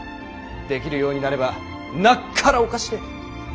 できるようになればなっからおかしれぇ。